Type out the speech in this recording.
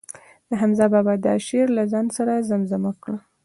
د حمزه بابا دا شعر له ځان سره زمزمه کړ.